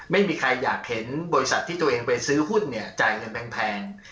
ไม่มีใครอยากเห็นบริษัทที่ตัวเองไปซื้อหุ้นเนี่ยจ่ายเงินแพง